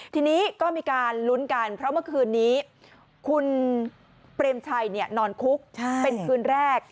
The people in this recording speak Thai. ทีนี้ก็มีการลุ้นกันเพราะเมื่อคืนนี้คุณเปรมชัยนอนคุกเป็นคืนแรก